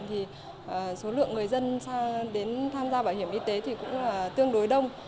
thì số lượng người dân đến tham gia bảo hiểm y tế thì cũng là tương đối đông